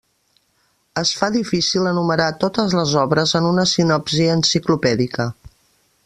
Es fa difícil enumerar totes les obres en una sinopsi enciclopèdica.